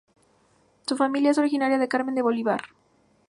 Su familia es originaria de Carmen de Bolívar.